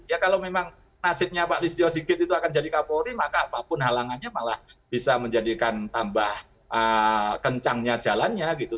ya kalau memang nasibnya pak listio sigit itu akan jadi kapolri maka apapun halangannya malah bisa menjadikan tambah kencangnya jalannya gitu